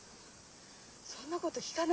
そんなこと聞かないでよ。